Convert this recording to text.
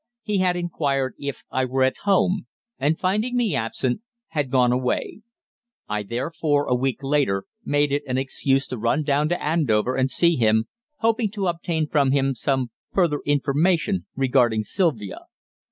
He had inquired if I were at home, and, finding me absent, had gone away. I therefore, a week later, made it an excuse to run down to Andover and see him, hoping to obtain from him some further information regarding Sylvia.